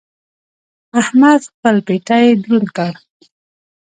احمد خپل پېټی دروند کړ.